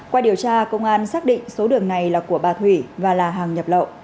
qua điều tra công an xác định số đường này là của bà thủy và là hàng nhập lậu